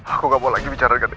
aku gak mau lagi bicara dengan elsa